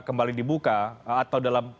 kembali dibuka atau dalam